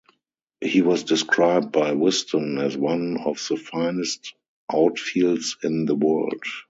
He was described by Wisden as one of the "finest outfields in the world".